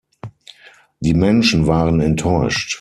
Die Menschen waren enttäuscht.